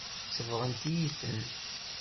Sebɣent-iyi-ten.